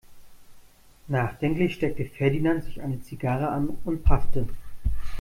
Nachdenklich steckte Ferdinand sich eine Zigarre an und paffte.